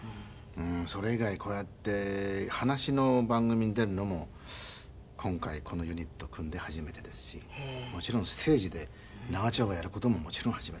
それ以外こうやって話の番組に出るのも今回このユニットを組んで初めてですしもちろんステージで長丁場やる事ももちろん初めてですね。